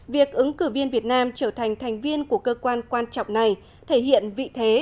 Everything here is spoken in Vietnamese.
việc ứng cử viên việt nam trở thành thành viên của cơ quan quan trọng này thể hiện vị thế